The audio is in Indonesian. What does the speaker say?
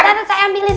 sebentar saya ambilin